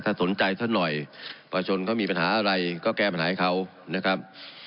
ถ้าสนใจท่านหน่อยประชนเขามีปัญหาอะไรก็แก้ปัญหาให้เขานะครับ